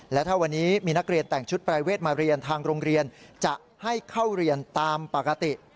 และถ้าวันนี้มีนักเรียนแต่งชุดปรายเวทมาเรียนทางโรงเรียนจะให้เข้าเรียนตามปกติ